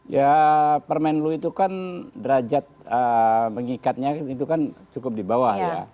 ya permen lu itu kan derajat mengikatnya itu kan cukup di bawah ya